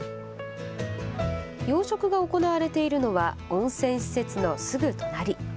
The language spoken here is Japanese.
養殖が行われているのは温泉施設のすぐ隣。